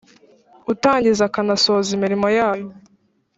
utangiza akanasoza imirimo yayo